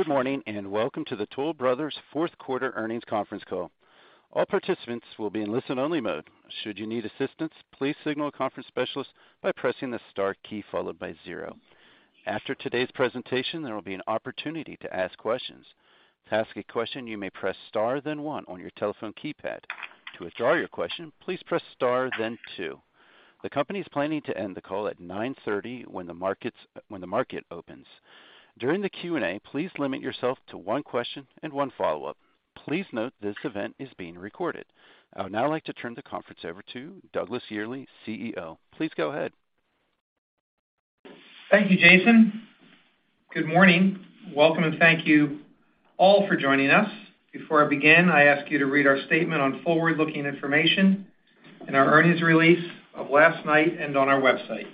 Good morning, welcome to the Toll Brothers' fourth quarter earnings conference call. All participants will be in listen-only mode. Should you need assistance, please signal a conference specialist by pressing the star key followed by zero. After today's presentation, there will be an opportunity to ask questions. To ask a question, you may press star, then one on your telephone keypad. To withdraw your question, please press star then two. The company's planning to end the call at 9:30 when the market opens. During the Q&A, please limit yourself to one question and one follow-up. Please note this event is being recorded. I would now like to turn the conference over to Douglas Yearley, CEO. Please go ahead. Thank you, Jason. Good morning. Welcome, and thank you all for joining us. Before I begin, I ask you to read our statement on forward-looking information in our earnings release of last night and on our website.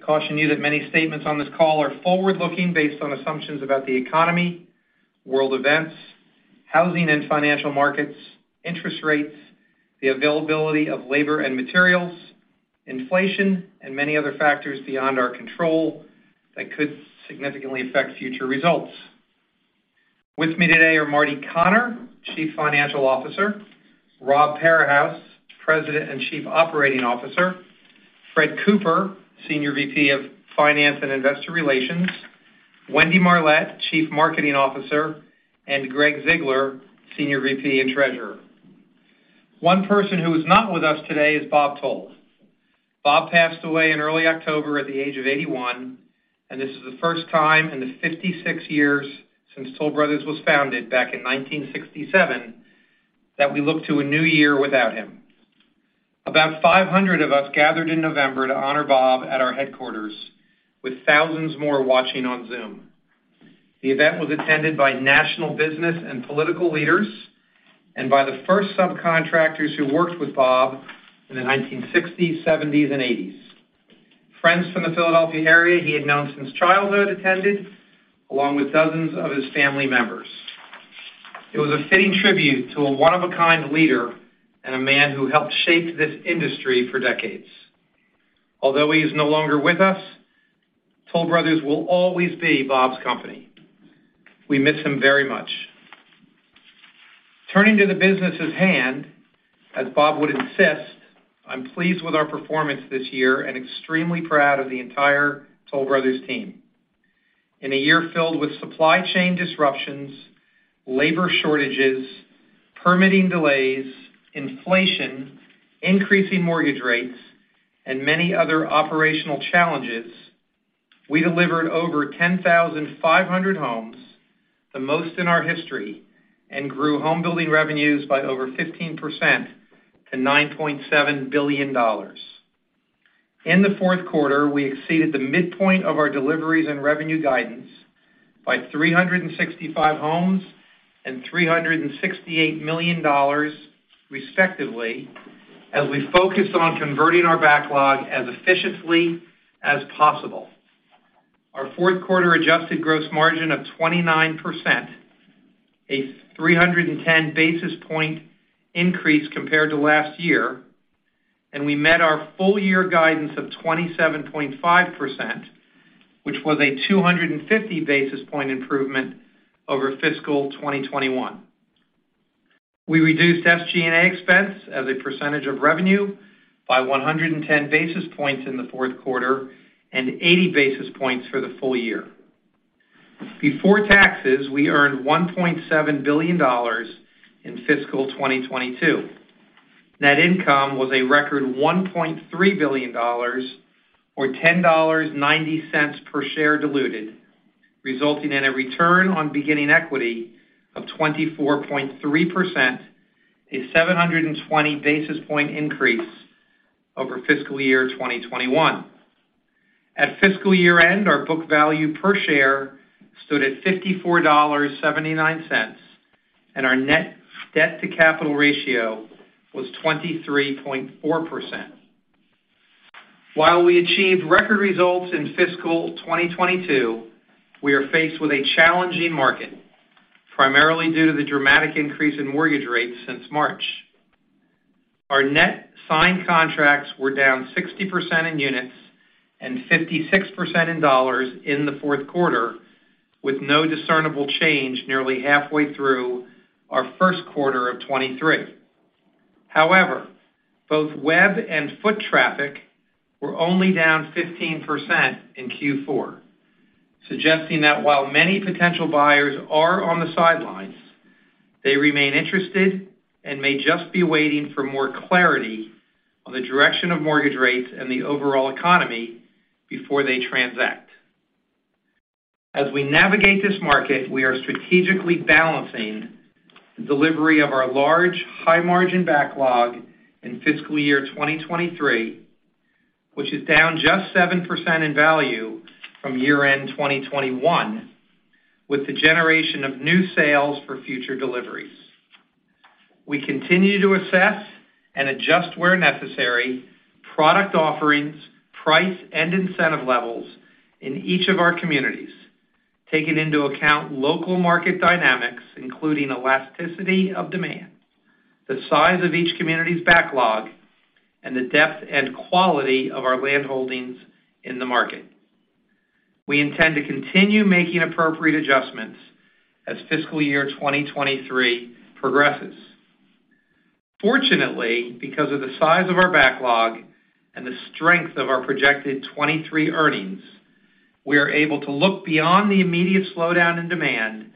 I caution you that many statements on this call are forward-looking based on assumptions about the economy, world events, housing and financial markets, interest rates, the availability of labor and materials, inflation, and many other factors beyond our control that could significantly affect future results. With me today are Marty Connor, Chief Financial Officer, Rob Parahouse, President and Chief Operating Officer, Fred Cooper, Senior VP of Finance and Investor Relations, Wendy Marlett, Chief Marketing Officer, and Gregg Ziegler, Senior VP and Treasurer. One person who is not with us today is Bob Toll. Bob passed away in early October at the age of 81. This is the first time in the 56 years since Toll Brothers was founded back in 1967 that we look to a new year without him. About 500 of us gathered in November to honor Bob at our headquarters, with thousands more watching on Zoom. The event was attended by national business and political leaders and by the first subcontractors who worked with Bob in the 1960s, 1970s, and 1980s. Friends from the Philadelphia area he had known since childhood attended, along with dozens of his family members. It was a fitting tribute to a one-of-a-kind leader and a man who helped shape this industry for decades. Although he is no longer with us, Toll Brothers will always be Bob's company. We miss him very much. Turning to the business at hand, as Bob would insist, I'm pleased with our performance this year and extremely proud of the entire Toll Brothers team. In a year filled with supply chain disruptions, labor shortages, permitting delays, inflation, increasing mortgage rates, and many other operational challenges, we delivered over 10,500 homes, the most in our history, and grew home building revenues by over 15% to $9.7 billion. In the fourth quarter, we exceeded the midpoint of our deliveries and revenue guidance by 365 homes and $368 million, respectively, as we focused on converting our backlog as efficiently as possible. Our fourth quarter adjusted gross margin of 29%, a 310 basis point increase compared to last year. We met our full-year guidance of 27.5%, which was a 250 basis point improvement over fiscal 2021. We reduced SG&A expense as a percentage of revenue by 110 basis points in the fourth quarter and 80 basis points for the full year. Before taxes, we earned $1.7 billion in fiscal 2022. Net income was a record $1.3 billion or $10.90 per share diluted, resulting in a return on beginning equity of 24.3%, a 720 basis point increase over fiscal year 2021. At fiscal year-end, our book value per share stood at $54.79, and our net debt to capital ratio was 23.4%. While we achieved record results in fiscal 2022, we are faced with a challenging market, primarily due to the dramatic increase in mortgage rates since March. Our net signed contracts were down 60% in units and 56% in dollars in the fourth quarter, with no discernible change nearly halfway through our first quarter of 2023. Both web and foot traffic were only down 15% in Q4, suggesting that while many potential buyers are on the sidelines, they remain interested and may just be waiting for more clarity on the direction of mortgage rates and the overall economy before they transact. As we navigate this market, we are strategically balancing the delivery of our large, high-margin backlog in fiscal year 2023, which is down just 7% in value from year-end 2021, with the generation of new sales for future deliveries. We continue to assess and adjust where necessary product offerings, price, and incentive levels in each of our communities, taking into account local market dynamics, including elasticity of demand. The size of each community's backlog and the depth and quality of our land holdings in the market. We intend to continue making appropriate adjustments as fiscal year 2023 progresses. Fortunately, because of the size of our backlog and the strength of our projected 2023 earnings, we are able to look beyond the immediate slowdown in demand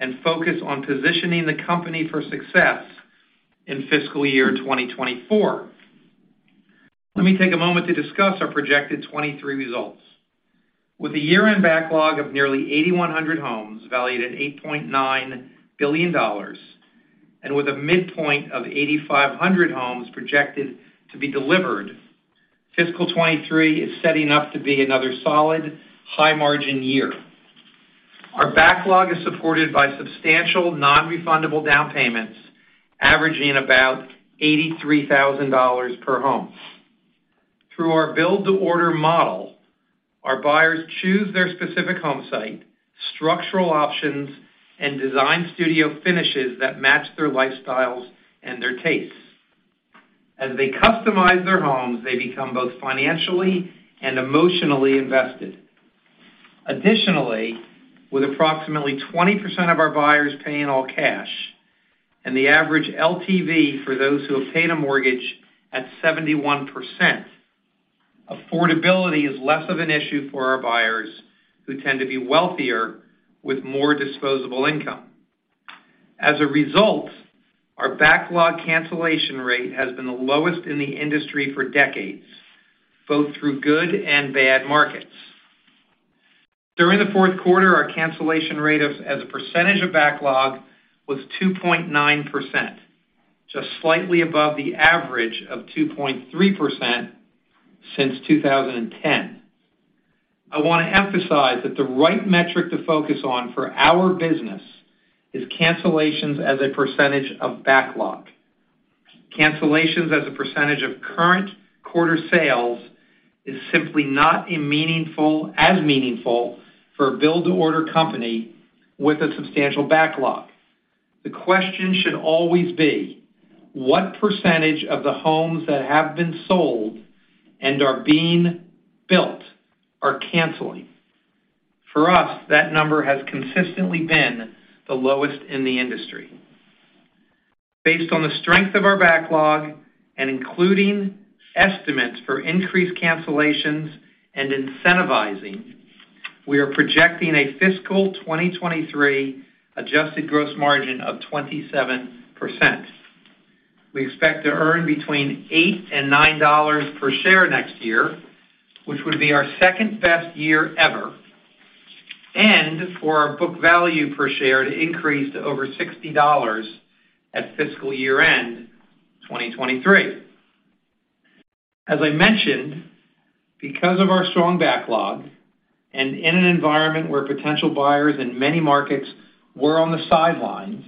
and focus on positioning the company for success in fiscal year 2024. Let me take a moment to discuss our projected 2023 results. With a year-end backlog of nearly 8,100 homes valued at $8.9 billion, and with a midpoint of 8,500 homes projected to be delivered, fiscal 2023 is setting up to be another solid, high-margin year. Our backlog is supported by substantial nonrefundable down payments, averaging about $83,000 per home. Through our build-to-order model, our buyers choose their specific home site, structural options, and design studio finishes that match their lifestyles and their tastes. As they customize their homes, they become both financially and emotionally invested. Additionally, with approximately 20% of our buyers paying all cash and the average LTV for those who obtain a mortgage at 71%, affordability is less of an issue for our buyers, who tend to be wealthier with more disposable income. As a result, our backlog cancellation rate has been the lowest in the industry for decades, both through good and bad markets. During the fourth quarter, our cancellation rate as a percentage of backlog was 2.9%, just slightly above the average of 2.3% since 2010. I wanna emphasize that the right metric to focus on for our business is cancellations as a percentage of backlog. Cancellations as a percentage of current quarter sales is simply not as meaningful for a build-to-order company with a substantial backlog. The question should always be, what percentage of the homes that have been sold and are being built are canceling? For us, that number has consistently been the lowest in the industry. Based on the strength of our backlog and including estimates for increased cancellations and incentivizing, we are projecting a fiscal 2023 adjusted gross margin of 27%. We expect to earn between $8 and $9 per share next year, which would be our second-best year ever. For our book value per share to increase to over $60 at fiscal year-end 2023. As I mentioned, because of our strong backlog and in an environment where potential buyers in many markets were on the sidelines,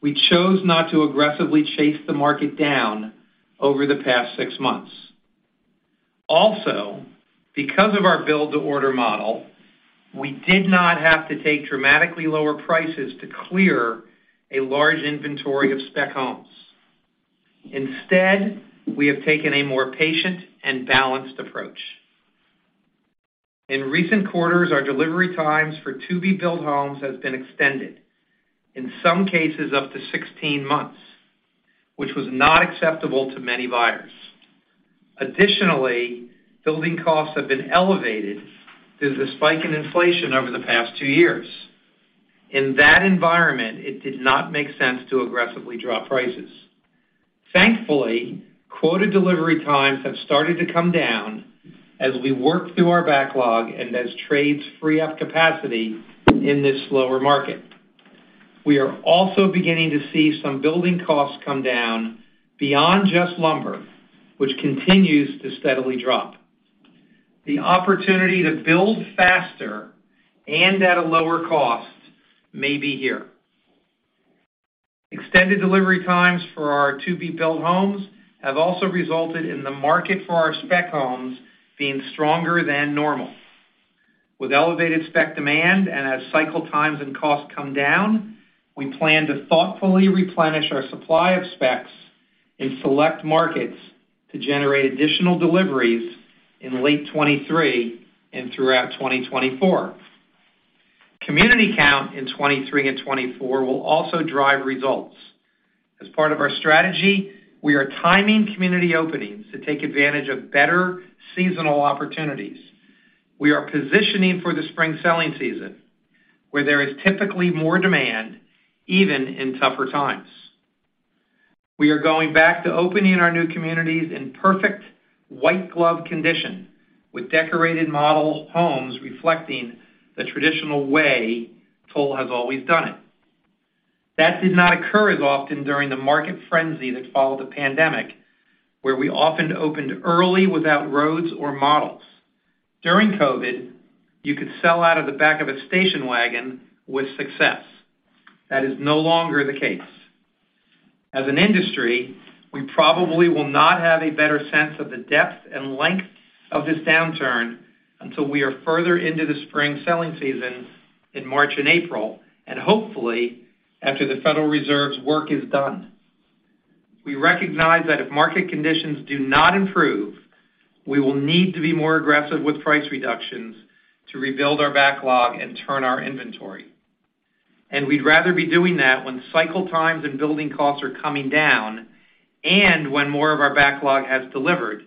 we chose not to aggressively chase the market down over the past six months. Because of our build-to-order model, we did not have to take dramatically lower prices to clear a large inventory of spec homes. Instead, we have taken a more patient and balanced approach. In recent quarters, our delivery times for to-be-built homes has been extended, in some cases up to 16 months, which was not acceptable to many buyers. Building costs have been elevated due to the spike in inflation over the past 2 years. In that environment, it did not make sense to aggressively drop prices. Thankfully, quoted delivery times have started to come down as we work through our backlog and as trades free up capacity in this slower market. We are also beginning to see some building costs come down beyond just lumber, which continues to steadily drop. The opportunity to build faster and at a lower cost may be here. Extended delivery times for our to-be-built homes have also resulted in the market for our spec homes being stronger than normal. With elevated spec demand and as cycle times and costs come down, we plan to thoughtfully replenish our supply of specs in select markets to generate additional deliveries in late 2023 and throughout 2024. Community count in 2023 and 2024 will also drive results. As part of our strategy, we are timing community openings to take advantage of better seasonal opportunities. We are positioning for the spring selling season, where there is typically more demand, even in tougher times. We are going back to opening our new communities in perfect white-glove condition with decorated model homes reflecting the traditional way Toll has always done it. That did not occur as often during the market frenzy that followed the pandemic, where we often opened early without roads or models. During COVID, you could sell out of the back of a station wagon with success. That is no longer the case. As an industry, we probably will not have a better sense of the depth and length of this downturn until we are further into the spring selling season in March and April, and hopefully after the Federal Reserve's work is done. We recognize that if market conditions do not improve, we will need to be more aggressive with price reductions to rebuild our backlog and turn our inventory. We'd rather be doing that when cycle times and building costs are coming down and when more of our backlog has delivered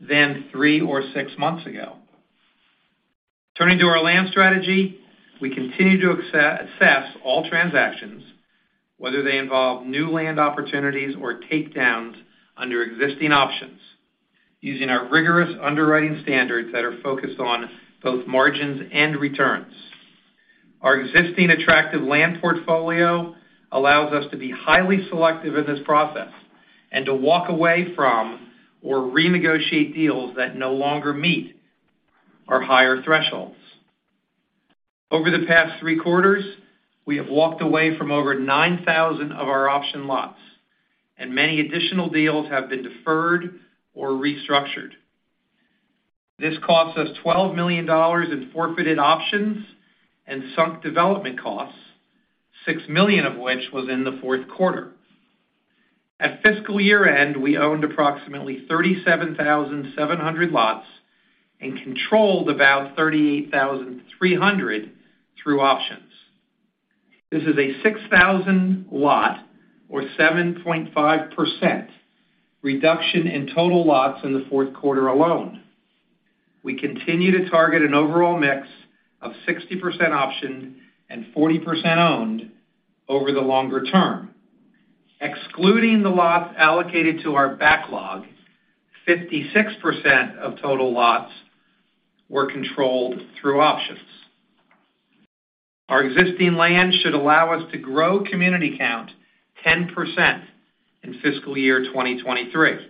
than three or six months ago. Turning to our land strategy, we continue to assess all transactions, whether they involve new land opportunities or takedowns under existing options using our rigorous underwriting standards that are focused on both margins and returns. Our existing attractive land portfolio allows us to be highly selective in this process and to walk away from or renegotiate deals that no longer meet our higher thresholds. Over the past three quarters, we have walked away from over 9,000 of our option lots, and many additional deals have been deferred or restructured. This cost us $12 million in forfeited options and sunk development costs, $6 million of which was in the fourth quarter. At fiscal year-end, we owned approximately 37,700 lots and controlled about 38,300 through options. This is a 6,000 lot or 7.5% reduction in total lots in the fourth quarter alone. We continue to target an overall mix of 60% optioned and 40% owned over the longer term. Excluding the lots allocated to our backlog, 56% of total lots were controlled through options. Our existing land should allow us to grow community count 10% in fiscal year 2023.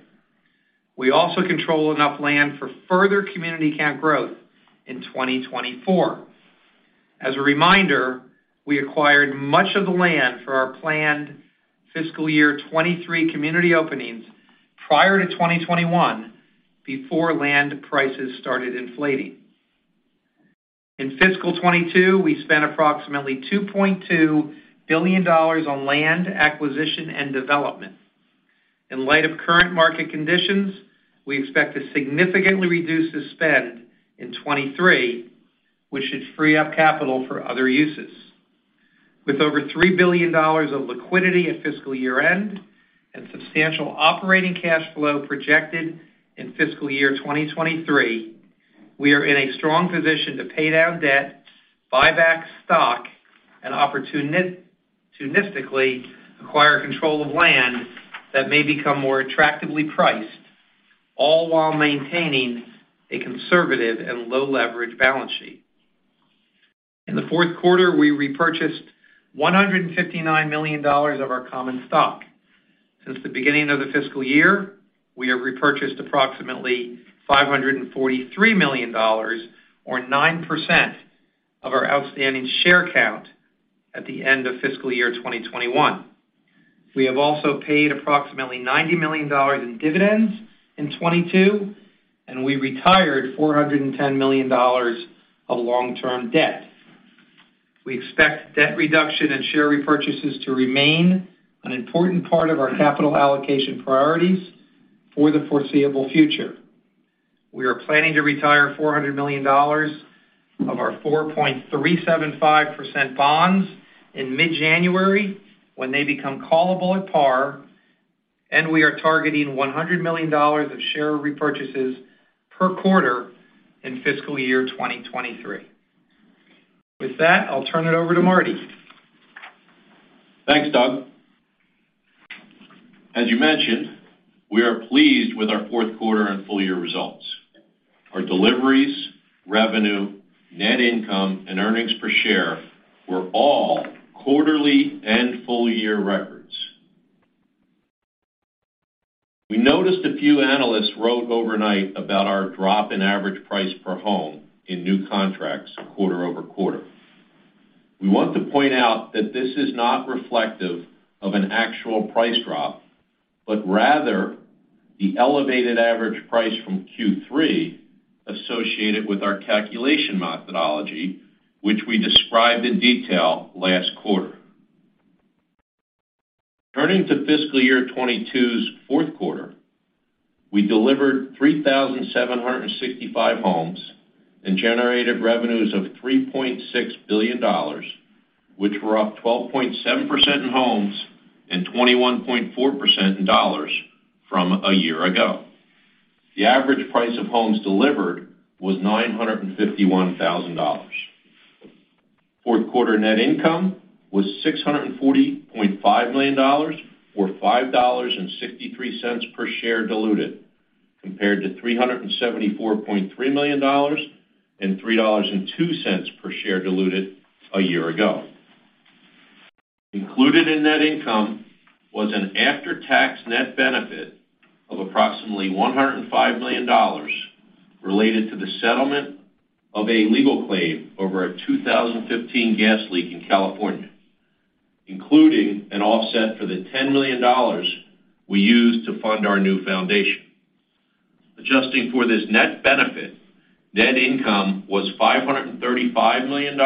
We also control enough land for further community count growth in 2024. As a reminder, we acquired much of the land for our planned fiscal year 2023 community openings prior to 2021 before land prices started inflating. In fiscal 2022, we spent approximately $2.2 billion on land acquisition and development. In light of current market conditions, we expect to significantly reduce the spend in 2023, which should free up capital for other uses. With over $3 billion of liquidity at fiscal year-end and substantial operating cash flow projected in fiscal year 2023, we are in a strong position to pay down debt, buy back stock, and opportunistically acquire control of land that may become more attractively priced, all while maintaining a conservative and low leverage balance sheet. In the fourth quarter, we repurchased $159 million of our common stock. Since the beginning of the fiscal year, we have repurchased approximately $543 million or 9% of our outstanding share count at the end of fiscal year 2021. We have also paid approximately $90 million in dividends in 2022, and we retired $410 million of long-term debt. We expect debt reduction and share repurchases to remain an important part of our capital allocation priorities for theforeseeable future. We are planning to retire $400 million of our 4.375% bonds in mid-January when they become callable at par. We are targeting $100 million of share repurchases per quarter in fiscal year 2023. With that, I'll turn it over to Marty. Thanks, Doug. As you mentioned, we are pleased with our fourth quarter and full year results. Our deliveries, revenue, net income, and earnings per share were all quarterly and full year records. We noticed a few analysts wrote overnight about our drop in average price per home in new contracts quarter-over-quarter. We want to point out that this is not reflective of an actual price drop, but rather the elevated average price from Q3 associated with our calculation methodology, which we described in detail last quarter. Turning to fiscal year 2022's fourth quarter, we delivered 3,765 homes and generated revenues of $3.6 billion, which were up 12.7% in homes and 21.4% in dollars from a year ago. The average price of homes delivered was $951,000. Fourth quarter net income was $645 million, or $5.63 per share diluted, compared to $374.3 million and $3.02 per share diluted a year ago. Included in net income was an after-tax net benefit of approximately $105 million related to the settlement of a legal claim over a 2015 gas leak in California. Including an offset for the $10 million we used to fund our new foundation. Adjusting for this net benefit, net income was $535 million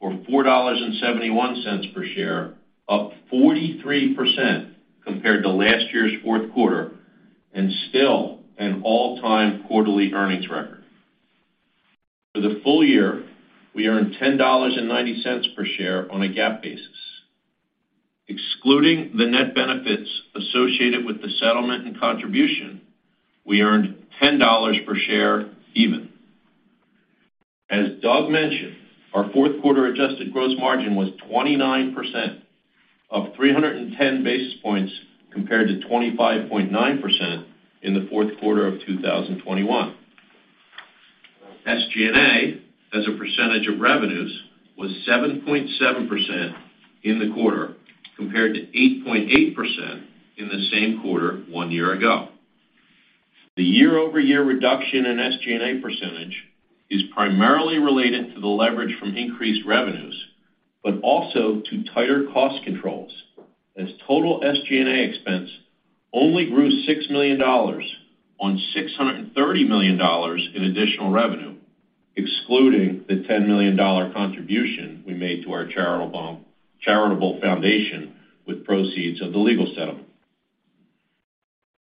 or $4.71 per share, up 43% compared to last year's fourth quarter, and still an all-time quarterly earnings record. For the full year, we earned $10.90 per share on a GAAP basis. Excluding the net benefits associated with the settlement and contribution, we earned $10 per share even. As Doug mentioned, our fourth quarter adjusted gross margin was 29%, up 310 basis points compared to 25.9% in the fourth quarter of 2021. SG&A as a percentage of revenues was 7.7% in the quarter, compared to 8.8% in the same quarter one year ago. The year-over-year reduction in SG&A percentage is primarily related to the leverage from increased revenues, but also to tighter cost controls, as total SG&A expense only grew $6 million on $630 million in additional revenue, excluding the $10 million contribution we made to our charitable foundation with proceeds of the legal settlement.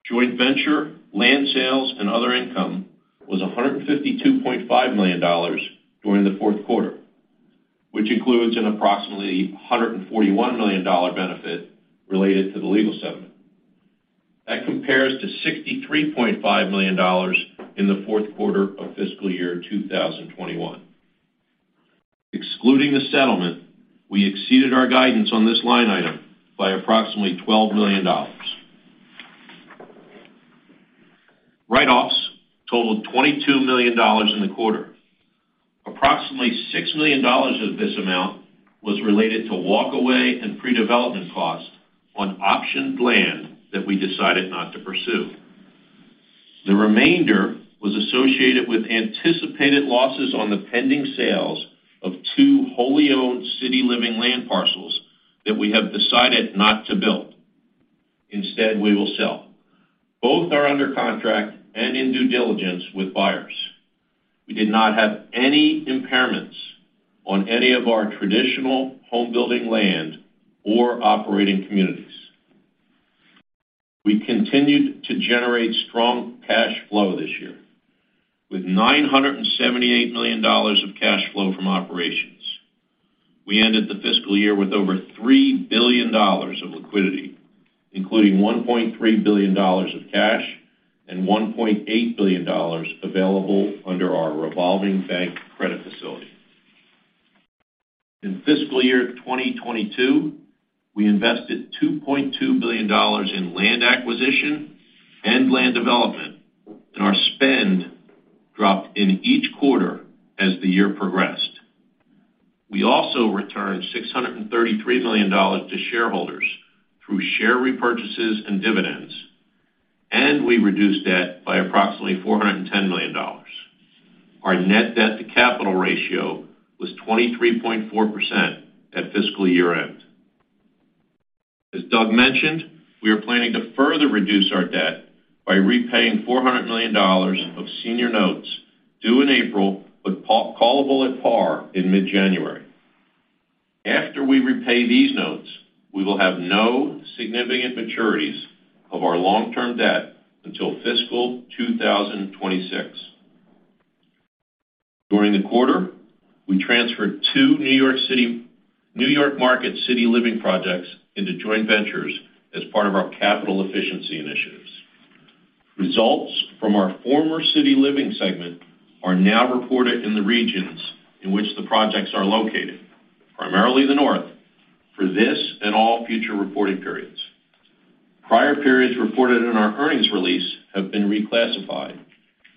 Joint venture, land sales, and other income was $152.5 million during the fourth quarter, which includes an approximately $141 million benefit related to the legal settlement. That compares to $63.5 million in the fourth quarter of fiscal year 2021. Excluding the settlement, we exceeded our guidance on this line item by approximately $12 million. Write-offs totaled $22 million in the quarter. Approximately $6 million of this amount was related to walk away and pre-development costs on optioned land that we decided not to pursue. The remainder was associated with anticipated losses on the pending sales of two wholly-owned City Living land parcels that we have decided not to build. Instead, we will sell. Both are under contract and in due diligence with buyers. We did not have any impairments on any of our traditional home building land or operating communities. We continued to generate strong cash flow this year with $978 million of cash flow from operations. We ended the fiscal year with over $3 billion of liquidity, including $1.3 billion of cash and $1.8 billion available under our revolving bank credit facility. In fiscal year 2022, we invested $2.2 billion in land acquisition and land development, our spend dropped in each quarter as the year progressed. We also returned $633 million to shareholders through share repurchases and dividends, we reduced debt by approximately $410 million. Our net debt to capital ratio was 23.4% at fiscal year-end. As Doug mentioned, we are planning to further reduce our debt by repaying $400 million of senior notes due in April, but callable at par in mid-January. After we repay these notes, we will have no significant maturities of our long-term debt until fiscal 2026. During the quarter, we transferred 2 New York Market City Living projects into joint ventures as part of our capital efficiency initiatives. Results from our former City Living segment are now reported in the regions in which the projects are located, primarily the North, for this and all future reporting periods. Prior periods reported in our earnings release have been reclassified,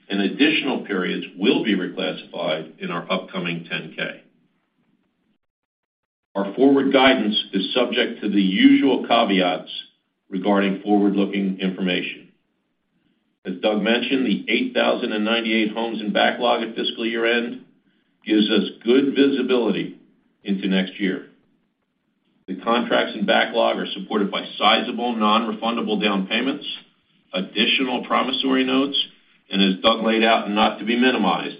and additional periods will be reclassified in our upcoming 10-K. Our forward guidance is subject to the usual caveats regarding forward-looking information. As Doug mentioned, the 8,098 homes in backlog at fiscal year-end gives us good visibility into next year. The contracts in backlog are supported by sizable nonrefundable down payments, additional promissory notes, and as Doug laid out, not to be minimized,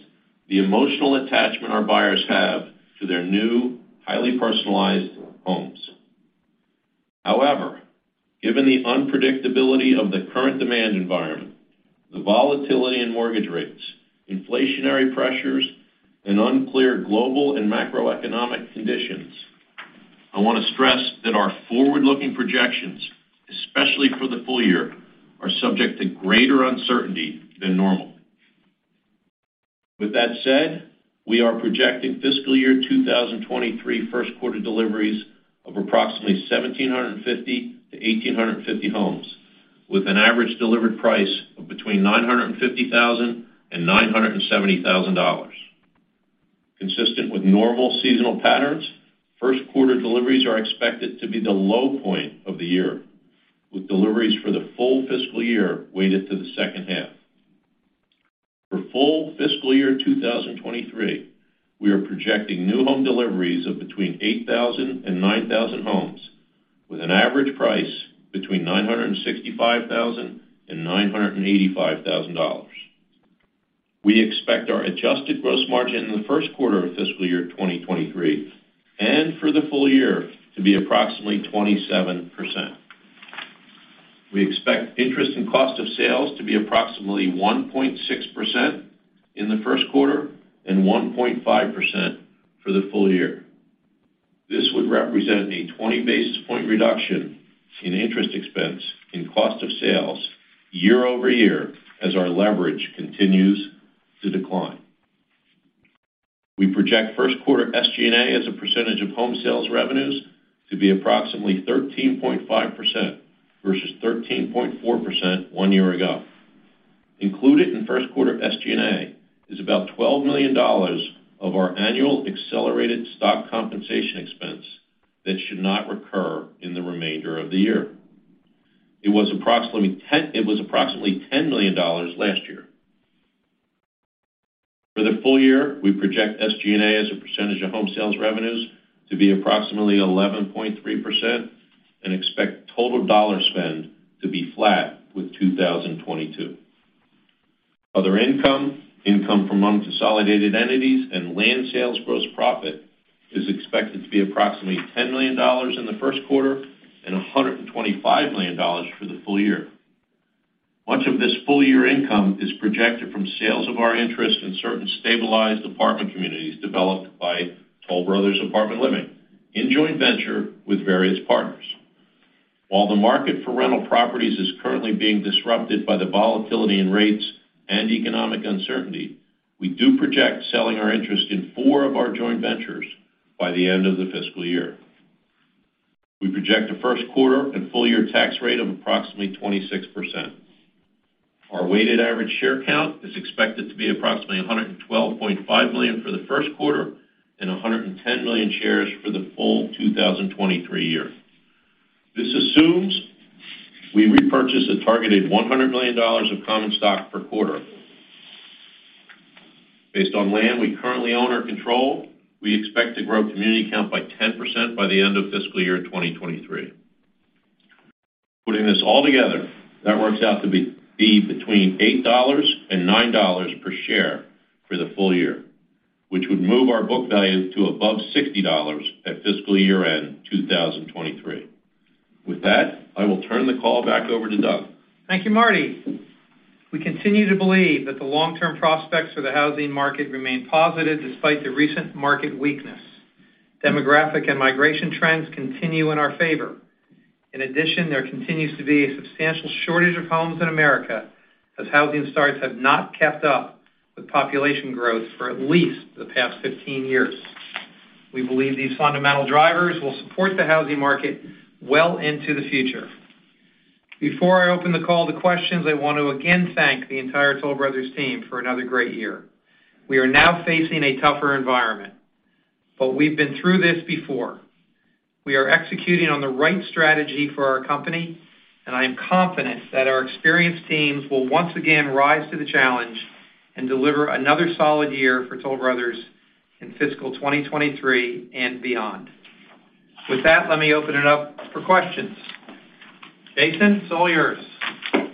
the emotional attachment our buyers have to their new, highly personalized homes. However, given the unpredictability of the current demand environment, the volatility in mortgage rates, inflationary pressures, and unclear global and macroeconomic conditions, I want to stress that our forward-looking projections, especially for the full year, are subject to greater uncertainty than normal. With that said, we are projecting fiscal year 2023 first quarter deliveries of approximately 1,750 to 1,850 homes, with an average delivered price of between $950,000 and $970,000. Consistent with normal seasonal patterns, first quarter deliveries are expected to be the low point of the year, with deliveries for the full fiscal year weighted to the second half. For full fiscal year 2023, we are projecting new home deliveries of between 8,000 and 9,000 homes with an average price between $965,000 and $985,000. We expect our adjusted gross margin in the first quarter of fiscal year 2023 and for the full year to be approximately 27%. We expect interest in cost of sales to be approximately 1.6% in the first quarter and 1.5% for the full year. This would represent a 20 basis point reduction in interest expense in cost of sales year-over-year as our leverage continues to decline. We project first quarter SG&A as a percentage of home sales revenues to be approximately 13.5% versus 13.4% one year ago. Included in first quarter SG&A is about $12 million of our annual accelerated stock compensation expense that should not recur in the remainder of the year. It was approximately $10 million last year. For the full year, we project SG&A as a percentage of home sales revenues to be approximately 11.3% and expect total dollar spend to be flat with 2022. Other income from unconsolidated entities, and land sales gross profit is expected to be approximately $10 million in the first quarter and $125 million for the full year. Much of this full-year income is projected from sales of our interest in certain stabilized apartment communities developed by Toll Brothers Apartment Living in joint venture with various partners. While the market for rental properties is currently being disrupted by the volatility in rates and economic uncertainty, we do project selling our interest in four of our joint ventures by the end of the fiscal year. We project a first quarter and full year tax rate of approximately 26%. Our weighted average share count is expected to be approximately 112.5 million for the first quarter and 110 million shares for the full 2023 year. This assumes we repurchase a targeted $100 million of common stock per quarter. Based on land we currently own or control, we expect to grow community count by 10% by the end of fiscal year 2023. Putting this all together, that works out to be between $8 and $9 per share for the full year, which would move our book value to above $60 at fiscal year-end 2023. With that, I will turn the call back over to Doug. Thank you, Marty. We continue to believe that the long-term prospects for the housing market remain positive despite the recent market weakness. Demographic and migration trends continue in our favor. There continues to be a substantial shortage of homes in America as housing starts have not kept up with population growth for at least the past 15 years. We believe these fundamental drivers will support the housing market well into the future. Before I open the call to questions, I want to again thank the entire Toll Brothers team for another great year. We are now facing a tougher environment. We've been through this before. We are executing on the right strategy for our company. I am confident that our experienced teams will once again rise to the challenge and deliver another solid year for Toll Brothers in fiscal 2023 and beyond. With that, let me open it up for questions. Jason, it's all yours.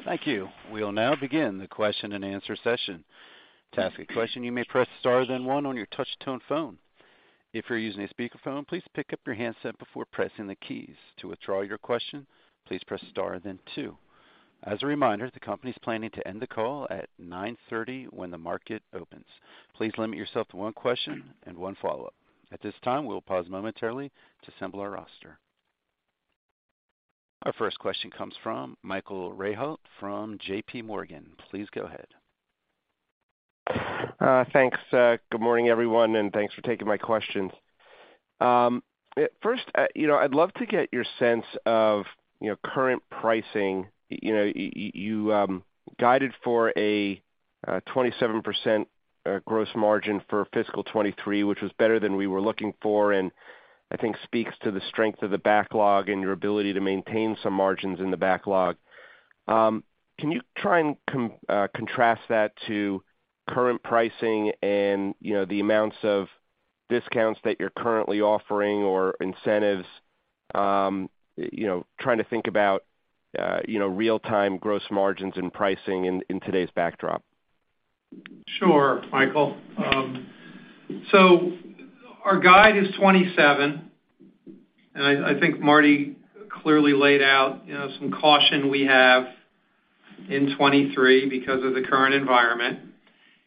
Thank you. We'll now begin the question-and-answer session. To ask a question, you may press star then one on your touch tone phone. If you're using a speakerphone, please pick up your handset before pressing the keys. To withdraw your question, please press star then two. As a reminder, the company's planning to end the call at 9:30 A.M. when the market opens. Please limit yourself to one question and one follow-up. At this time, we'll pause momentarily to assemble our roster. Our first question comes from Michael Rehaut from J.P. Morgan. Please go ahead. Thanks. Good morning, everyone, and thanks for taking my questions. First, you know, I'd love to get your sense of, you know, current pricing. You know, you guided for a 27% gross margin for fiscal 2023, which was better than we were looking for, and I think speaks to the strength of the backlog and your ability to maintain some margins in the backlog. Can you try and contrast that to current pricing and, you know, the amounts of discounts that you're currently offering or incentives? You know, trying to think about, you know, real-time gross margins and pricing in today's backdrop. Sure, Michael. Our guide is 27, and I think Marty clearly laid out, you know, some caution we have in 2023 because of the current environment.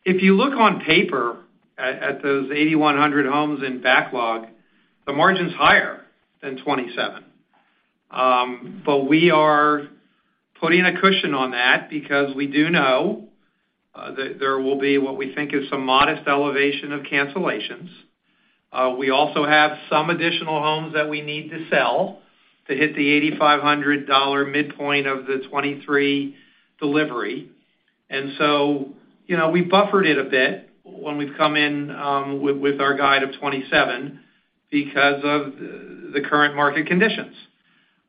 If you look on paper at those 8,100 homes in backlog, the margin's higher than 27. We are putting a cushion on that because we do know that there will be what we think is some modest elevation of cancellations. We also have some additional homes that we need to sell to hit the $8,500 midpoint of the 2023 delivery. You know, we buffered it a bit when we've come in, with our guide of 27 because of the current market conditions.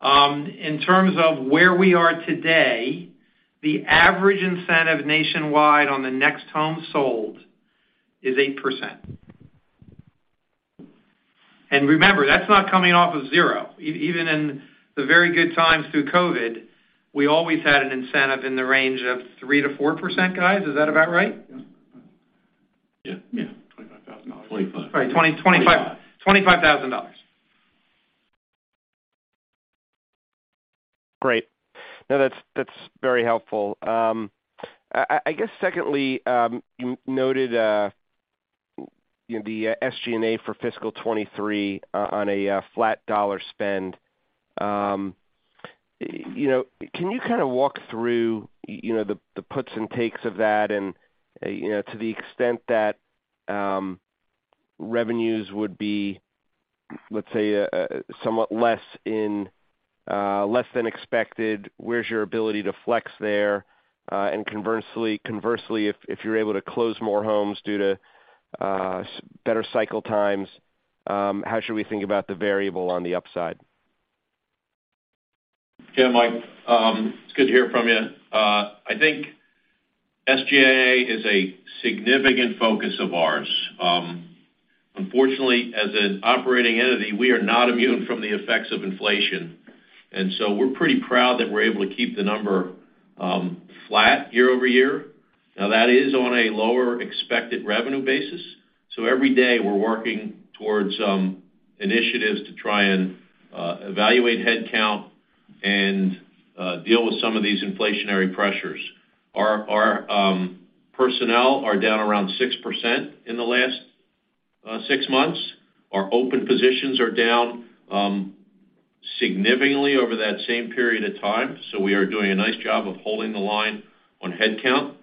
In terms of where we are today, the average incentive nationwide on the next home sold is 8%. Remember, that's not coming off of 0. Even in the very good times through COVID, we always had an incentive in the range of 3%-4%, guys. Is that about right? Yeah. Yeah. $25,000. 25 Right. $25,000. Great. No, that's very helpful. I guess secondly, you noted, you know, the SG&A for fiscal 2023 on a, flat dollar spend. You know, can you kind of walk through, you know, the puts and takes of that? To the extent that, revenues would be, let's say, somewhat less in, less than expected, where's your ability to flex there? Conversely, if you're able to close more homes due to better cycle times, how should we think about the variable on the upside? Mike, it's good to hear from you. I think SG&A is a significant focus of ours. Unfortunately, as an operating entity, we are not immune from the effects of inflation. We're pretty proud that we're able to keep the number flat year-over-year. Now, that is on a lower expected revenue basis. Every day, we're working towards initiatives to try andf evaluate headcount and deal with some of these inflationary pressures. Our personnel are down around 6% in the last 6 months. Our open positions are down significantly over that same period of time, so we are doing a nice job of holding the line on headcount.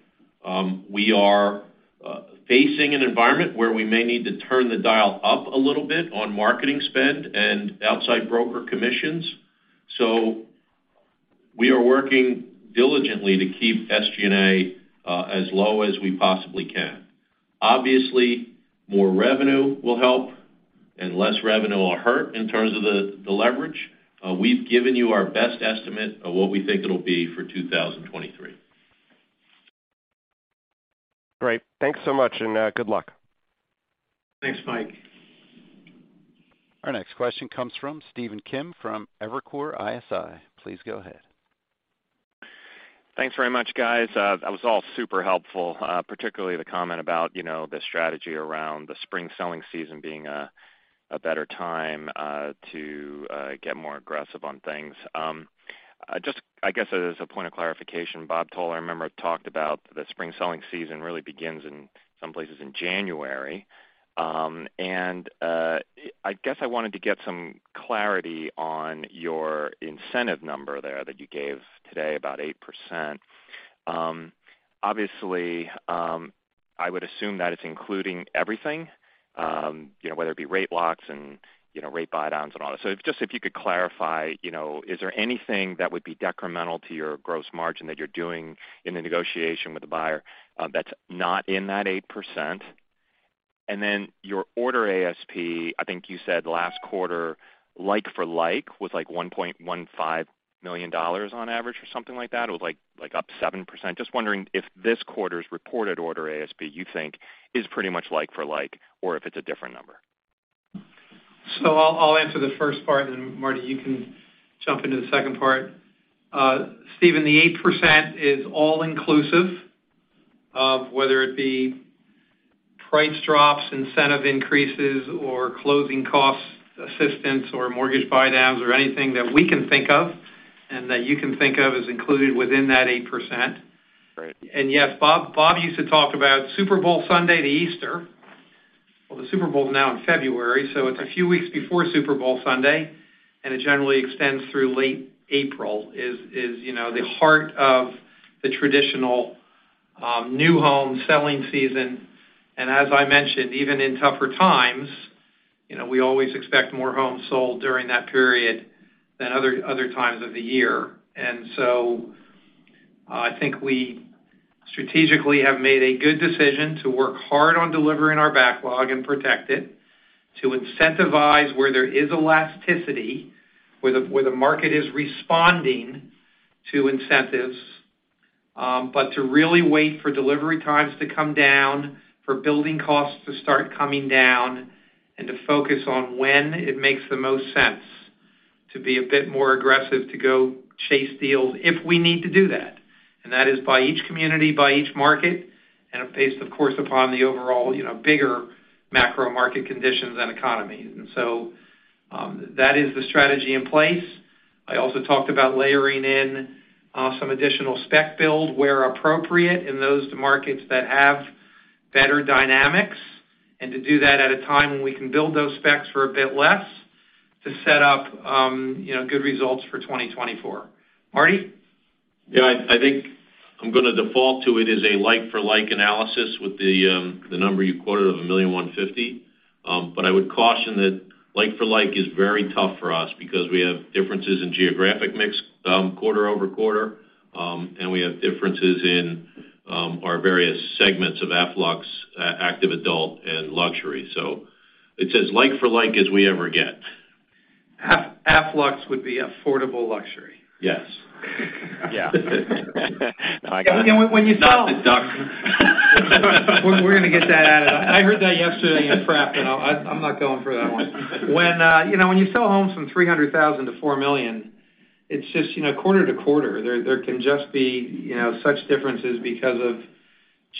We are facing an environment where we may need to turn the dial up a little bit on marketing spend and outside broker commissions. We are working diligently to keep SG&A as low as we possibly can. Obviously, more revenue will help and less revenue will hurt in terms of the leverage. We've given you our best estimate of what we think it'll be for 2023. Great. Thanks so much, and good luck. Thanks, Mike. Our next question comes from Stephen Kim from Evercore ISI. Please go ahead. Thanks very much, guys. That was all super helpful, particularly the comment about, you know, the strategy around the spring selling season being a better time to get more aggressive on things. I guess, as a point of clarification, Bob Toll, I remember, talked about the spring selling season really begins in some places in January. I guess I wanted to get some clarity on your incentive number there that you gave today, about 8%. Obviously, I would assume that it's including everything, you know, whether it be rate blocks and, you know, rate buydowns and all that. Just if you could clarify, you know, is there anything that would be decremental to your gross margin that you're doing in the negotiation with the buyer that's not in that 8%? Your order ASP, I think you said last quarter, like for like, was like $1.15 million on average or something like that. It was like up 7%. Just wondering if this quarter's reported order ASP you think is pretty much like for like or if it's a different number. I'll answer the first part, and then Marty, you can jump into the second part. Steven, the 8% is all inclusive of whether it be price drops, incentive increases, or closing cost assistance, or mortgage buydowns, or anything that we can think of and that you can think of is included within that 8%. Great. Yes, Bob used to talk about Super Bowl Sunday to Easter. The Super Bowl is now in February, so it's a few weeks before Super Bowl Sunday, and it generally extends through late April, is, you know, the heart of the traditional new home selling season. As I mentioned, even in tougher times, you know, we always expect more homes sold during that period than other times of the year. I think we strategically have made a good decision to work hard on delivering our backlog and protect it, to incentivize where there is elasticity, where the market is responding to incentives, but to really wait for delivery times to come down, for building costs to start coming down, and to focus on when it makes the most sense to be a bit more aggressive to go chase deals if we need to do that. That is by each community, by each market, and based, of course, upon the overall, you know, bigger macro market conditions and economy. That is the strategy in place. I also talked about layering in, some additional spec build where appropriate in those markets that have better dynamics, and to do that at a time when we can build those specs for a bit less to set up, you know, good results for 2024. Marty? Yeah. I think I'm going to default to it as a like for like analysis with the number you quoted of $1,150,000. I would caution that like for like is very tough for us because we have differences in geographic mix, quarter-over-quarter, and we have differences in our various segments of Afflux, active adult and luxury. It's as like for like as we ever get. Afflux would be affordable luxury. Yes. Yeah. When you Not the duck. We're gonna get that out. I heard that yesterday in prep, and I'm not going for that one. When, you know, when you sell homes from $300,000 to $4 million, it's just, you know, quarter to quarter, there can just be, you know, such differences because of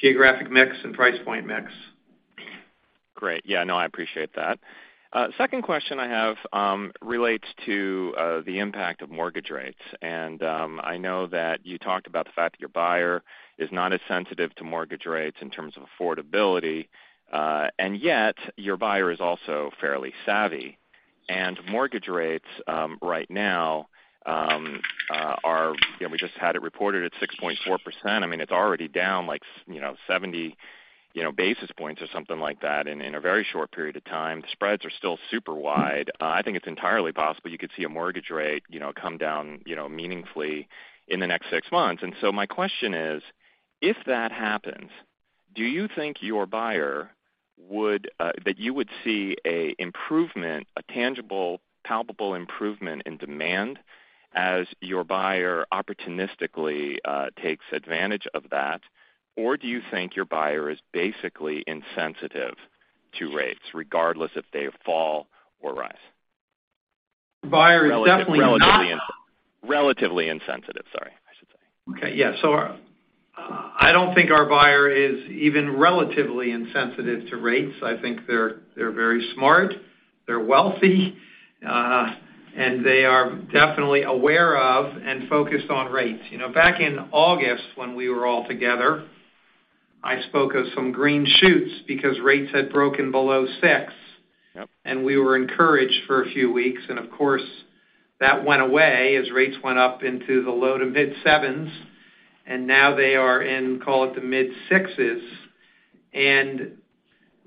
geographic mix and price point mix. Great. Yeah, no, I appreciate that. Second question I have relates to the impact of mortgage rates. I know that you talked about the fact that your buyer is not as sensitive to mortgage rates in terms of affordability, and yet your buyer is also fairly savvy. Mortgage rates right now, you know, we just had it reported at 6.4%. I mean, it's already down like you know, 70 basis points or something like that in a very short period of time. The spreads are still super wide. I think it's entirely possible you could see a mortgage rate, you know, come down, you know, meaningfully in the next 6 months. My question is: if that happens, do you think your buyer would see a improvement, a tangible, palpable improvement in demand as your buyer opportunistically takes advantage of that? Or do you think your buyer is basically insensitive to rates regardless if they fall or rise? Buyer is definitely not- Relatively insensitive. Relatively insensitive, sorry, I should say. Okay. Yeah. I don't think our buyer is even relatively insensitive to rates. I think they're very smart, they're wealthy, and they are definitely aware of and focused on rates. You know, back in August when we were all together, I spoke of some green shoots because rates had broken below six. Yep. We were encouraged for a few weeks, and of course, that went away as rates went up into the low to mid 7s, and now they are in, call it, the mid 6s.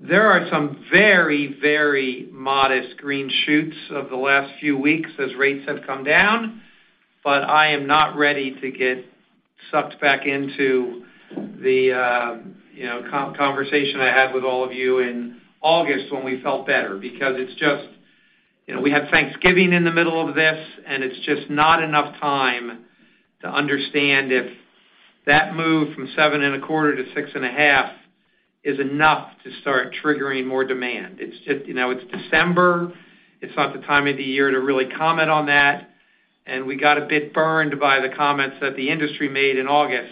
There are some very, very modest green shoots over the last few weeks as rates have come down, but I am not ready to get sucked back into the, you know, conversation I had with all of you in August when we felt better. It's just. You know, we had Thanksgiving in the middle of this, and it's just not enough time to understand if that move from 7 and a quarter to 6 and a half is enough to start triggering more demand. It's just, you know, it's December. It's not the time of the year to really comment on that, we got a bit burned by the comments that the industry made in August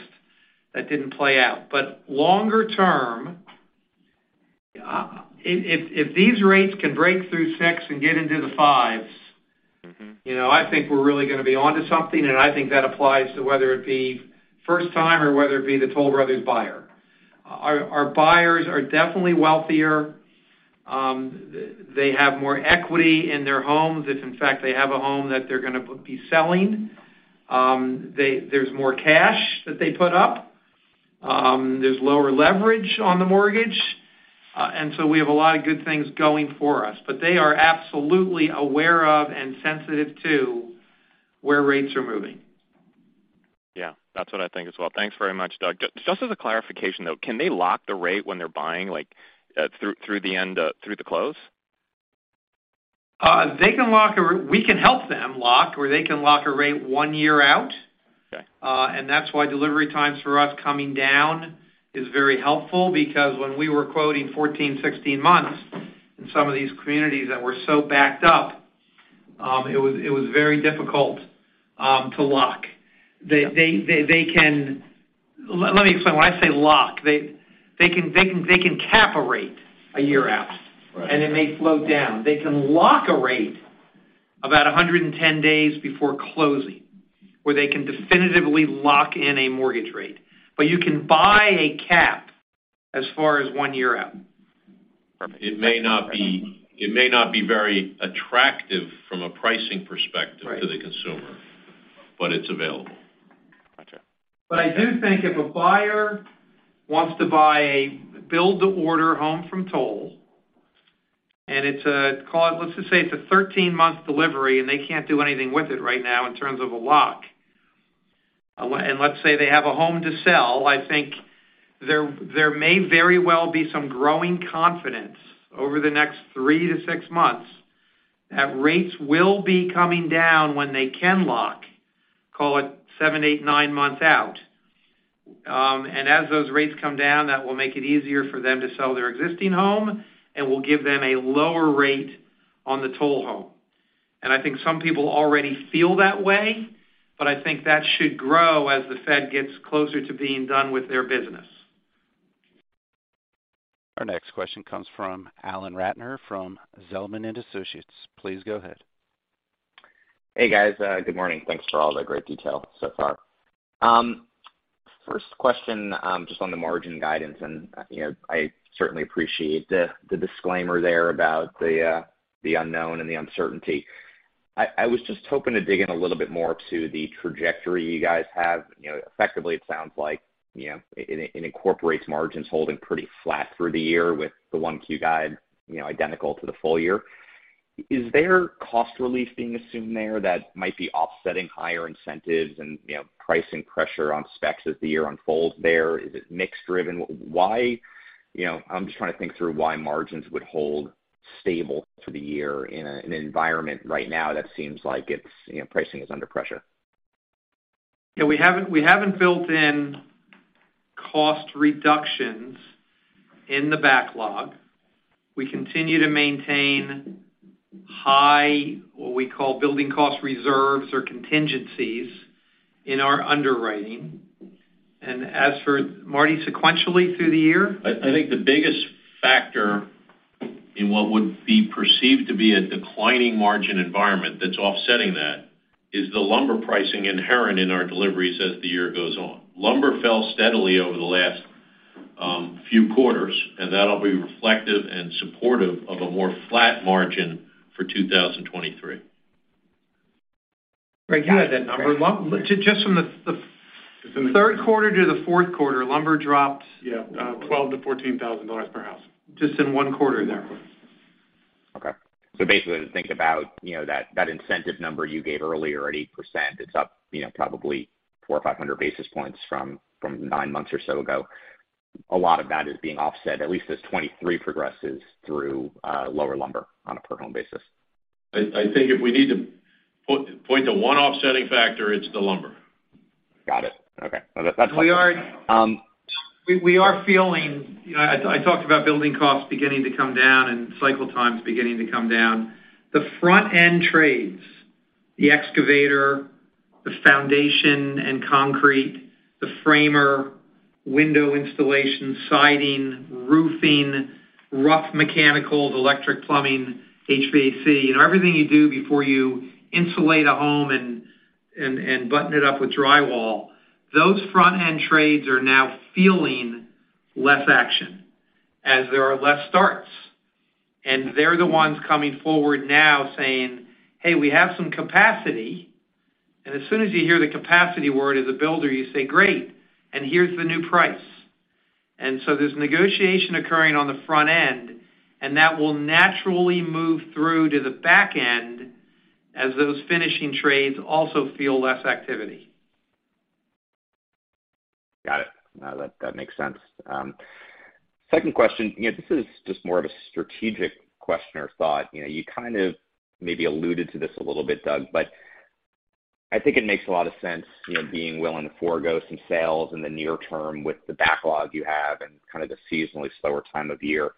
that didn't play out. Longer term, if these rates can break through 6 and get into the 5s... Mm-hmm... you know, I think we're really gonna be onto something, and I think that applies to whether it be first time or whether it be the Toll Brothers buyer. Our buyers are definitely wealthier. They have more equity in their homes if in fact they have a home that they're gonna be selling. There's more cash that they put up. There's lower leverage on the mortgage. We have a lot of good things going for us. They are absolutely aware of and sensitive to where rates are moving. Yeah. That's what I think as well. Thanks very much, Doug. Just as a clarification, though, can they lock the rate when they're buying, like, through the close? We can help them lock where they can lock a rate one year out. Okay. That's why delivery times for us coming down is very helpful because when we were quoting 14, 16 months in some of these communities that were so backed up, it was very difficult to lock. They can. Let me explain. When I say lock, they can cap a rate 1 year out. Right. It may float down. They can lock a rate about 110 days before closing, where they can definitively lock in a mortgage rate. You can buy a cap as far as 1 year out. Perfect. It may not be very attractive from a pricing perspective. Right to the consumer, but it's available. Gotcha. I do think if a buyer wants to buy a build-to-order home from Toll, and it's a let's just say it's a 13-month delivery, and they can't do anything with it right now in terms of a lock. Let's say they have a home to sell, I think there may very well be some growing confidence over the next 3-6 months that rates will be coming down when they can lock, call it 7, 8, 9 months out. As those rates come down, that will make it easier for them to sell their existing home and will give them a lower rate on the Toll home. I think some people already feel that way, but I think that should grow as the Fed gets closer to being done with their business. Our next question comes from Alan Ratner from Zelman & Associates. Please go ahead. Hey, guys. Good morning. Thanks for all the great detail so far. First question, just on the margin guidance, you know, I certainly appreciate the disclaimer there about the unknown and the uncertainty. I was just hoping to dig in a little bit more to the trajectory you guys have. You know, effectively, it sounds like, you know, it incorporates margins holding pretty flat through the year with the 1 Q guide, you know, identical to the full year? Is there cost relief being assumed there that might be offsetting higher incentives and, you know, pricing pressure on specs as the year unfolds there? Is it mix-driven? Why, you know, I'm just trying to think through why margins would hold stable for the year in an environment right now that seems like it's, you know, pricing is under pressure. Yeah, we haven't built in cost reductions in the backlog. We continue to maintain high, what we call building cost reserves or contingencies in our underwriting. As for Marty, sequentially through the year? I think the biggest factor in what would be perceived to be a declining margin environment that's offsetting that is the lumber pricing inherent in our deliveries as the year goes on. Lumber fell steadily over the last few quarters, and that'll be reflective and supportive of a more flat margin for 2023. Gregg, do you have that number? Just from the third quarter to the fourth quarter, lumber dropped. Yeah, $12,000-$14,000 per house. Just in one quarter there. Okay. Basically to think about, you know, that incentive number you gave earlier at 8%, it's up, you know, probably 400-500 basis points from nine months or so ago. A lot of that is being offset, at least as 2023 progresses through, lower lumber on a per home basis. I think if we need to point to one offsetting factor, it's the lumber. Got it. Okay. That's We are feeling... You know, I talked about building costs beginning to come down and cycle times beginning to come down. The front-end trades, the excavator, the foundation and concrete, the framer, window installation, siding, roofing, rough mechanicals, electric plumbing, HVAC, you know, everything you do before you insulate a home and button it up with drywall, those front-end trades are now feeling less action as there are less starts. They're the ones coming forward now saying, "Hey, we have some capacity." As soon as you hear the capacity word as a builder, you say, "Great, and here's the new price." There's negotiation occurring on the front end, and that will naturally move through to the back end as those finishing trades also feel less activity. Got it. No, that makes sense. Second question. You know, this is just more of a strategic question or thought. You know, you kind of maybe alluded to this a little bit, Doug, but I think it makes a lot of sense, you know, being willing to forego some sales in the near term with the backlog you have and kind of the seasonally slower time of year.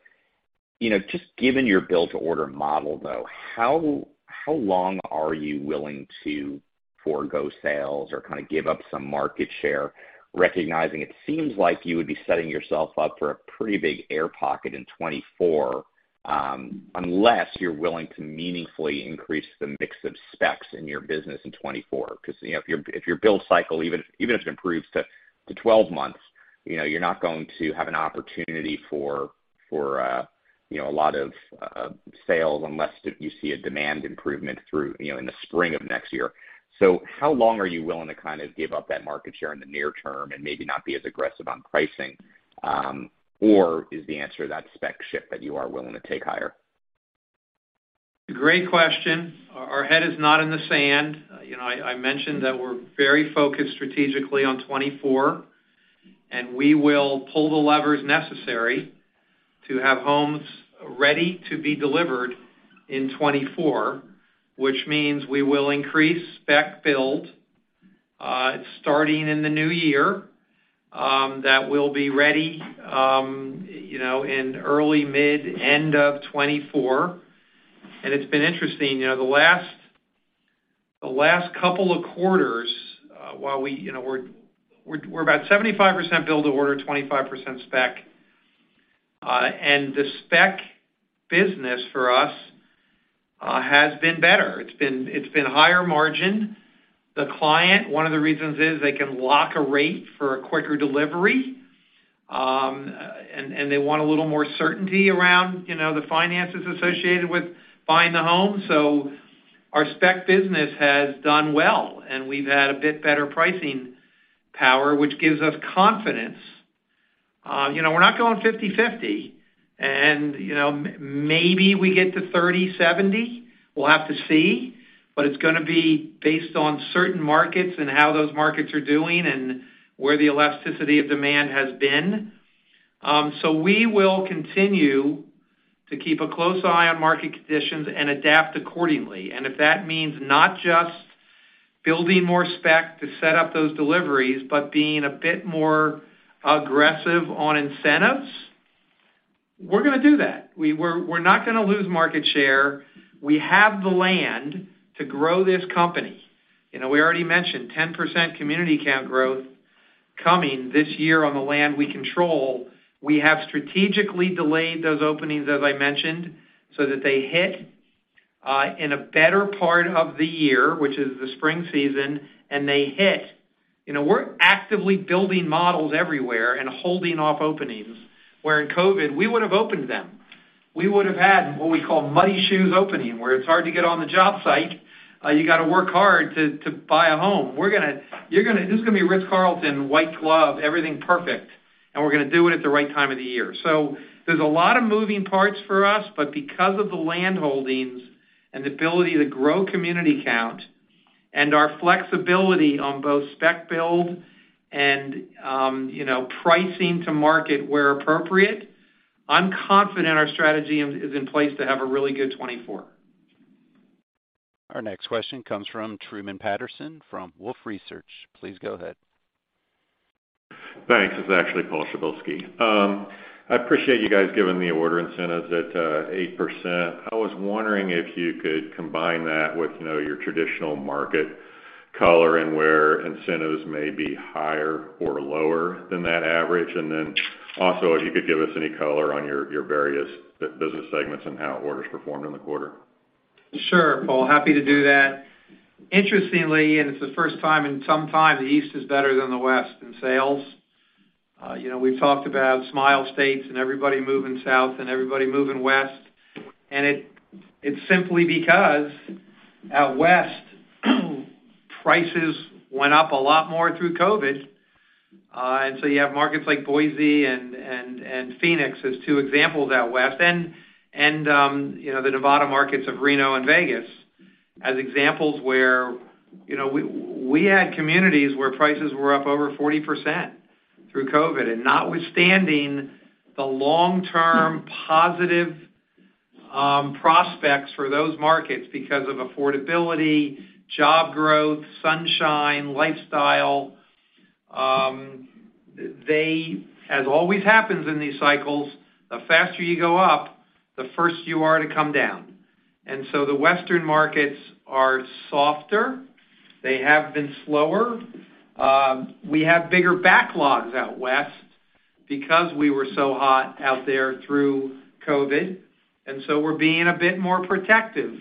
You know, just given your build-to-order model, though, how long are you willing to forego sales or kind of give up some market share, recognizing it seems like you would be setting yourself up for a pretty big air pocket in 2024, unless you're willing to meaningfully increase the mix of specs in your business in 2024? 'Because, you know, if your build cycle, even if it improves to 12 months, you know, you're not going to have an opportunity for, you know, a lot of sales unless you see a demand improvement through, you know, in the spring of next year. How long are you willing to kind of give up that market share in the near term and maybe not be as aggressive on pricing, or is the answer that spec ship that you are willing to take higher? Great question. Our head is not in the sand. You know, I mentioned that we're very focused strategically on 2024, we will pull the levers necessary to have homes ready to be delivered in 2024, which means we will increase spec build starting in the new year, that will be ready, you know, in early mid, end of 2024. It's been interesting, you know, the last couple of quarters, while we, you know, we're about 75% build to order, 25% spec. The spec business for us has been better. It's been higher margin. The client, one of the reasons is they can lock a rate for a quicker delivery, and they want a little more certainty around, you know, the finances associated with buying the home. Our spec business has done well, and we've had a bit better pricing power, which gives us confidence. You know, we're not going 50/50, and, you know, maybe we get to 30/70. We'll have to see. It's gonna be based on certain markets and how those markets are doing and where the elasticity of demand has been. We will continue to keep a close eye on market conditions and adapt accordingly. If that means not just building more spec to set up those deliveries, but being a bit more aggressive on incentives, we're gonna do that. We're not gonna lose market share. We have the land to grow this company. You know, we already mentioned 10% community count growth coming this year on the land we control. We have strategically delayed those openings, as I mentioned, so that they hit in a better part of the year, which is the spring season. You know, we're actively building models everywhere and holding off openings, where in COVID, we would've opened them. We would've had what we call muddy shoes opening, where it's hard to get on the job site. You gotta work hard to buy a home. This is going to be The Ritz-Carlton, white glove, everything perfect. We're gonna do it at the right time of the year. There's a lot of moving parts for us, but because of the landholdings and the ability to grow community count and our flexibility on both spec build and, you know, pricing to market where appropriate, I'm confident our strategy is in place to have a really good 2024. Our next question comes from Truman Patterson from Wolfe Research. Please go ahead. Thanks. It's actually Paul Przybylski. I appreciate you guys giving the order incentives at 8%. I was wondering if you could combine that with, you know, your traditional market color and where incentives may be higher or lower than that average. Also, if you could give us any color on your various business segments and how orders performed in the quarter. Sure, Paul, happy to do that. Interestingly, it's the first time in some time, the East is better than the West in sales. you know, we've talked about Smile States and everybody moving south and everybody moving west. It's simply because out west, prices went up a lot more through COVID. you have markets like Boise and Phoenix as two examples out west and, you know, the Nevada markets of Reno and Vegas as examples where, you know, we had communities where prices were up over 40% through COVID. Notwithstanding the long-term positive prospects for those markets because of affordability, job growth, sunshine, lifestyle, as always happens in these cycles, the faster you go up, the first you are to come down. The western markets are softer. They have been slower. We have bigger backlogs out west because we were so hot out there through COVID. We're being a bit more protective of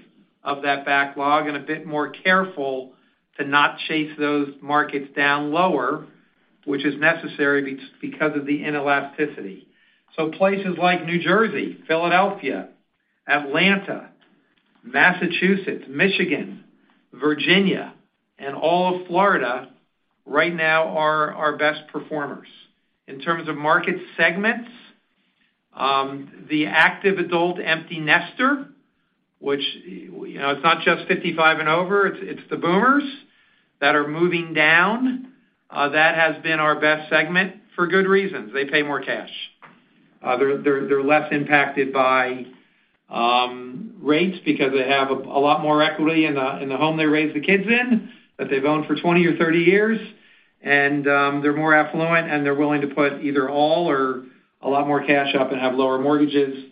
that backlog and a bit more careful to not chase those markets down lower, which is necessary because of the inelasticity. Places like New Jersey, Philadelphia, Atlanta, Massachusetts, Michigan, Virginia, and all of Florida right now are our best performers. In terms of market segments, the active adult empty nester, which, you know, it's not just 55 and over, it's the boomers that are moving down. That has been our best segment for good reasons. They pay more cash. They're less impacted by rates because they have a lot more equity in the home they raised the kids in, that they've owned for 20 or 30 years. They're more affluent, and they're willing to put either all or a lot more cash up and have lower mortgages.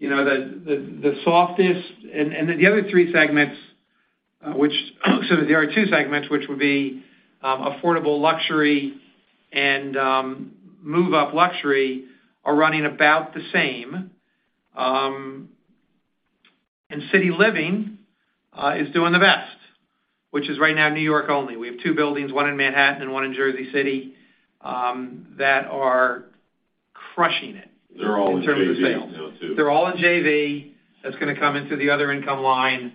You know, the softest... The other three segments, excuse me, there are two segments, which would be affordable luxury and move-up luxury are running about the same. City Living is doing the best, which is right now New York only. We have two buildings, one in Manhattan and one in Jersey City, that are crushing it. They're all in JV now, too? In terms of sales. They're all in JV. That's gonna come into the other income line.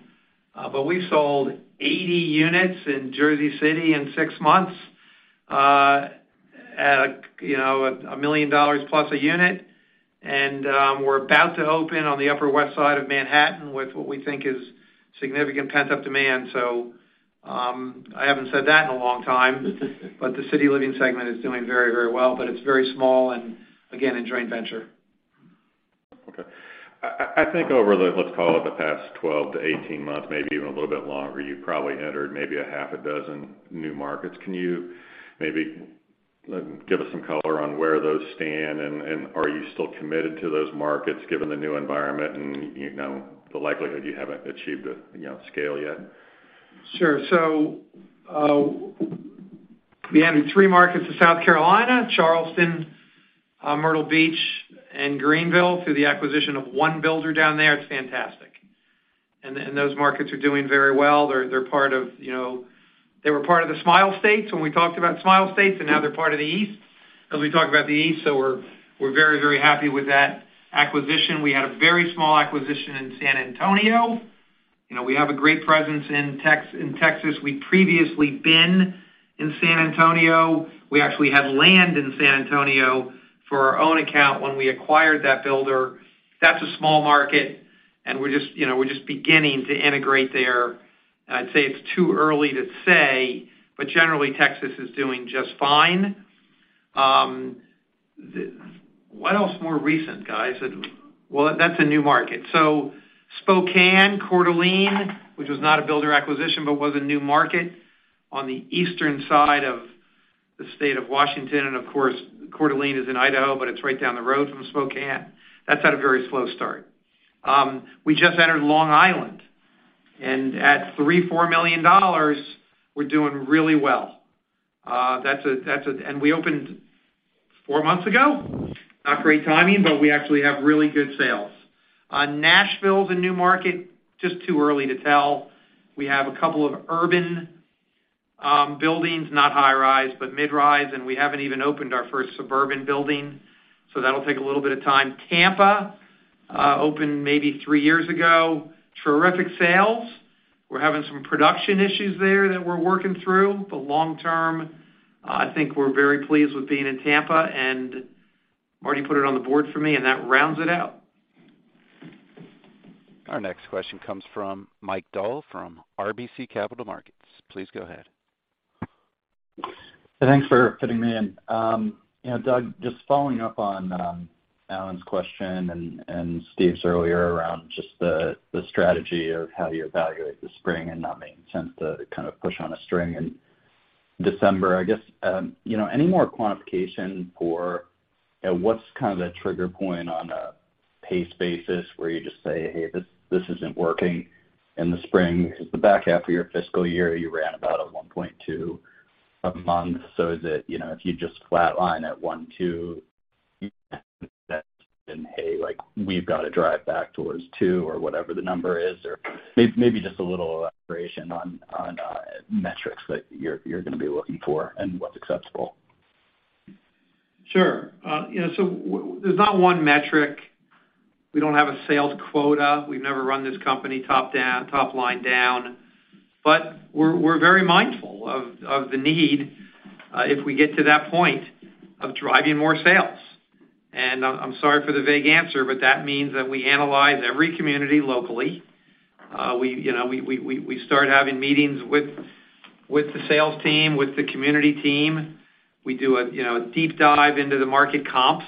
We sold 80 units in Jersey City in 6 months, at, you know, $1 million plus a unit. We're about to open on the Upper West Side of Manhattan with what we think is significant pent-up demand. I haven't said that in a long time. The City Living segment is doing very, very well, but it's very small and, again, in joint venture. Okay. I think over the, let's call it the past 12-18 months, maybe even a little bit longer, you've probably entered maybe a half a dozen new markets. Can you maybe give us some color on where those stand and are you still committed to those markets given the new environment and, you know, the likelihood you haven't achieved, you know, scale yet? Sure. We added three markets to South Carolina, Charleston, Myrtle Beach, and Greenville through the acquisition of one builder down there. It's fantastic. Those markets are doing very well. They're part of, you know, they were part of the Smile States when we talked about Smile States, and now they're part of the East, as we talk about the East. We're very happy with that acquisition. We had a very small acquisition in San Antonio. You know, we have a great presence in Texas. We'd previously been in San Antonio. We actually had land in San Antonio for our own account when we acquired that builder. That's a small market, and we're just, you know, we're just beginning to integrate there. I'd say it's too early to say, but generally, Texas is doing just fine. The... What else more recent, guys? Well, that's a new market. Spokane, Coeur d'Alene, which was not a builder acquisition but was a new market on the eastern side of the state of Washington. Of course, Coeur d'Alene is in Idaho, but it's right down the road from Spokane. That's had a very slow start. We just entered Long Island, and at $3 million-$4 million, we're doing really well. We opened 4 months ago. Not great timing, but we actually have really good sales. Nashville's a new market, just too early to tell. We have a couple of urban buildings, not high-rise, but mid-rise, and we haven't even opened our first suburban building, so that'll take a little bit of time. Tampa. Opened maybe three years ago. Terrific sales. We're having some production issues there that we're working through. Long term, I think we're very pleased with being in Tampa, and Marty put it on the board for me, and that rounds it out. Our next question comes from Mike Dahl from RBC Capital Markets. Please go ahead. Thanks for fitting me in. You know, Doug, just following up on Alan's question and Steve's earlier around just the strategy of how do you evaluate the spring and not making sense to kind of push on a string in December. You know, any more quantification for, you know, what's kind of the trigger point on a pace basis where you just say, "Hey, this isn't working in the spring." Because the back half of your fiscal year, you ran about a 1.2 a month, so is it, you know, if you just flatline at 1.2, then, hey, like we've gotta drive back towards 2 or whatever the number is. Or maybe just a little elaboration on metrics that you're gonna be looking for and what's acceptable. Sure. you know, so there's not one metric. We don't have a sales quota. We've never run this company top line down. We're very mindful of the need, if we get to that point of driving more sales. I'm sorry for the vague answer, but that means that we analyze every community locally. we, you know, we start having meetings with the sales team, with the community team. We do a, you know, deep dive into the market comps,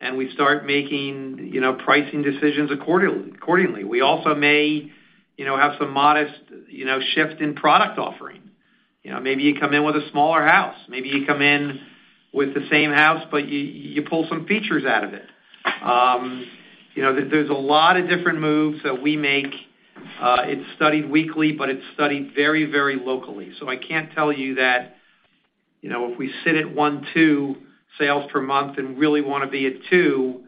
and we start making, you know, pricing decisions accordingly. We also may, you know, have some modest, you know, shift in product offering. You know, maybe you come in with a smaller house. Maybe you come in with the same house, but you pull some features out of it. You know, there's a lot of different moves that we make. It's studied weekly, but it's studied very locally. I can't tell you that, you know, if we sit at 1-2 sales per month and really wanna be at 2,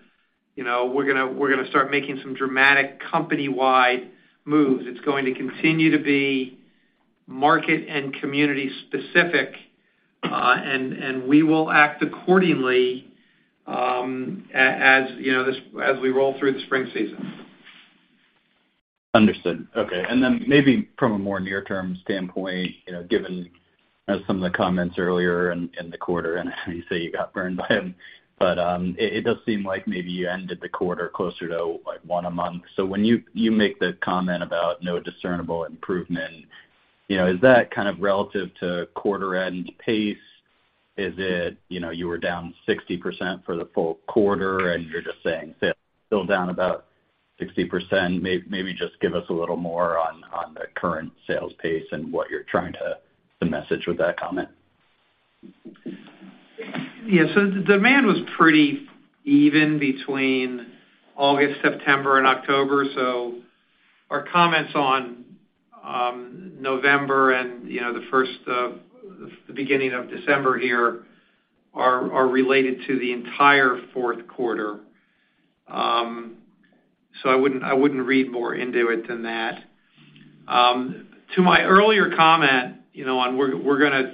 you know, we're gonna start making some dramatic company-wide moves. It's going to continue to be market and community specific, and we will act accordingly, as, you know, as we roll through the spring season. Understood. Okay. Then maybe from a more near-term standpoint, you know, given, some of the comments earlier in the quarter, and you say you got burned by them. It does seem like maybe you ended the quarter closer to, like, one a month. When you make the comment about no discernible improvement, you know, is that kind of relative to quarter end pace? Is it, you know, you were down 60% for the full quarter and you're just saying sales still down about 60%? Maybe just give us a little more on the current sales pace and what you're trying to message with that comment. Yes, the demand was pretty even between August, September and October. Our comments on November and, you know, the first of the beginning of December here are related to the entire fourth quarter. I wouldn't read more into it than that. To my earlier comment, you know, on we're gonna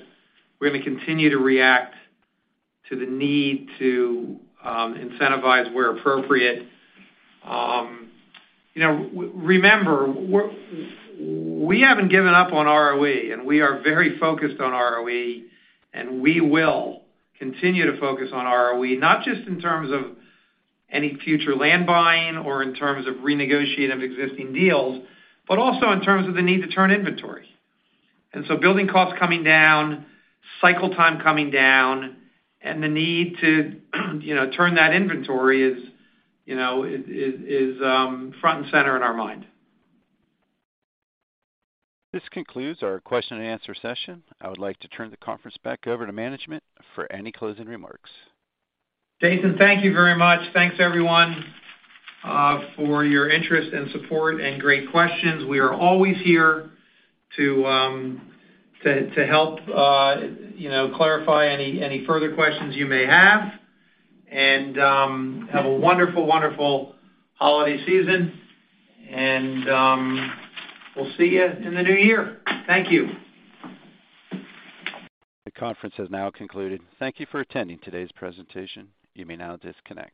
continue to react to the need to incentivize where appropriate. You know, we haven't given up on ROE, and we are very focused on ROE, and we will continue to focus on ROE, not just in terms of any future land buying or in terms of renegotiating of existing deals, but also in terms of the need to turn inventory. Building costs coming down, cycle time coming down, and the need to, you know, turn that inventory is, you know, is front and center in our mind. This concludes our question and answer session. I would like to turn the conference back over to management for any closing remarks. Jason, thank you very much. Thanks, everyone, for your interest and support and great questions. We are always here to help, you know, clarify any further questions you may have. Have a wonderful holiday season. We'll see you in the new year. Thank you. The conference has now concluded. Thank you for attending today's presentation. You may now disconnect.